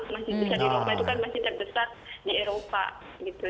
masjid besar di roma itu kan masjid yang besar di eropa gitu